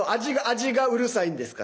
味がうるさいんですか？